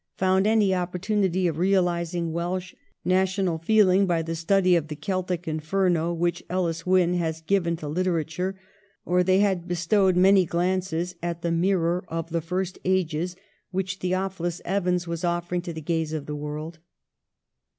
found any opportunity of realising Welsh national feeling by the study of the Celtic Inferno which EUis Wynn had given to literature, or that they had bestowed many glances at the 'Mirror of the First Ages ' which Theophilus Evans was offering to the gaze of the world.